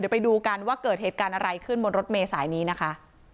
ไปดูกันว่าเกิดเหตุการณ์อะไรขึ้นบนรถเมษายนี้นะคะ